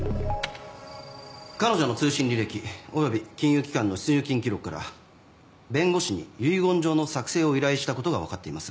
彼女の通信履歴および金融機関の出入金記録から弁護士に遺言状の作成を依頼したことが分かっています。